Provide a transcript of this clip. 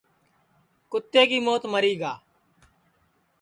کُتے کی موت مری گا